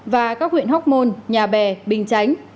và các huyện hóc môn nhà bè bình chánh